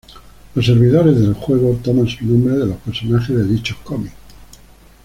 Los servidores del juego toman sus nombres de los personajes de dichos cómics.